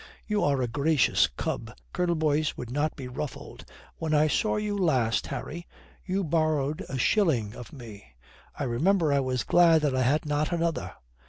"You are a gracious cub." Colonel Boyce would not be ruffled. "When I saw you last, Harry " "You borrowed a shilling of me. I remember I was glad that I had not another."